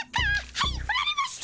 はいふられました！